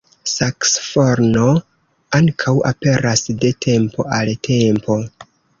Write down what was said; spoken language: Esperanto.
Saksofono ankaŭ aperas de tempo al tempo.